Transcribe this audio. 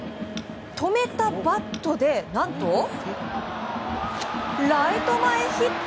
止めたバットで何とライト前ヒット。